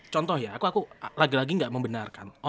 contoh ya aku lagi lagi gak membenarkan